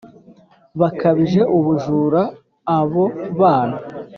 Bakabije ubujura abo bana